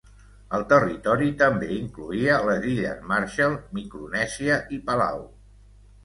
El territori també incloïa les Illes Marshall, Micronèsia i Palau.